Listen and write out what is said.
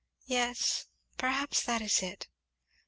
"Yes, perhaps that is it."